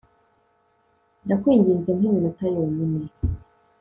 ndakwinginze mpa iminota yonyine